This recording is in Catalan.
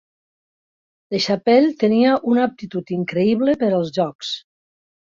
Deschapelles tenia una aptitud increïble per als jocs.